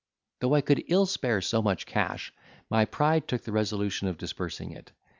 Though I could ill spare so much cash, my pride took the resolution of disbursing it.